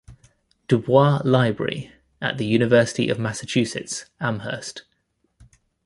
Du Bois Library at the University of Massachusetts Amherst.